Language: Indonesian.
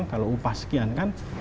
kalau upah sekian kan